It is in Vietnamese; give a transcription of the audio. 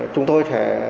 chúng tôi sẽ